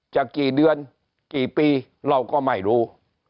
จะกี่เดือนกี่ปีเราก็ไม่รู้